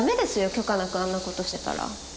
許可なくあんなことしてたら。